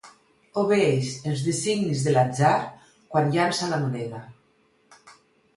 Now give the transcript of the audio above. Obeeix els designis de l'atzar quan llança la moneda.